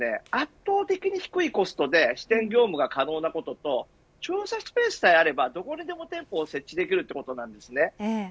移動店舗のメリットは圧倒的に低いコストで支店業務が可能なことと駐車スペースがあればどこにでも店舗が設置できることです。